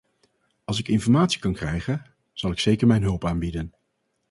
Als ik informatie kan krijgen, zal ik zeker mijn hulp aanbieden.